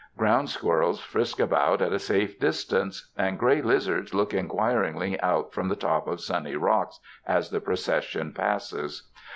Ground squirrels frisk about at a safe distance, and gray lizards look inquiringly out from the top of sunny rocks as the procession passes.